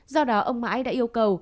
do đó ông mãi đã yêu cầu